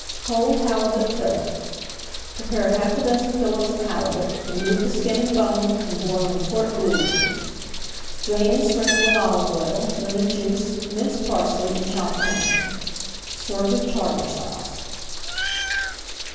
COLD HALIBUT FILLET Prepare half a dozen fillets of halibut, remove the skin and bone, and boil in court bouillon. Drain and sprinkle with olive oil, lemon juice, minced parsley, and chopped onion. Serve with Tartar Sauce.